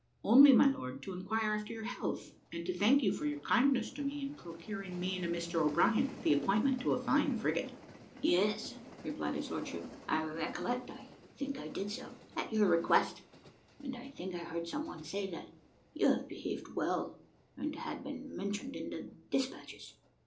"Only, my lord, to inquire after your health, and to thank you for your kindness to me in procuring me and Mr O'Brien the appointment to a fine frigate." "Yes," replied his lordship, "I recollect I think I did so, at your request, and I think I heard some one say that you have behaved well, and had been mentioned in the despatches."